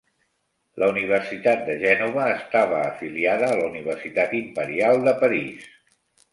La universitat de Gènova estava afiliada a la Universitat Imperial de París.